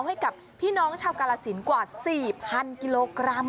ให้กับพี่น้องชาวกาลสินกว่า๔๐๐๐กิโลกรัม